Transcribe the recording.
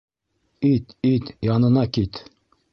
Ит, ит янына кит.